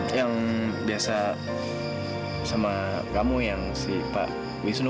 yang biasa sama kamu yang si pak wisnu